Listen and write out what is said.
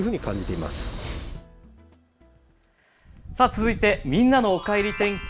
続いて、みんなのおかえり天気。